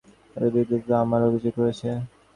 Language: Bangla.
তাঁদের বিরুদ্ধেই তো আমার অভিযোগ রয়েছে।